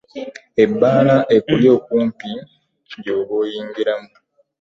Ebbaala ekuli okumpi gy'oba oyingiramu.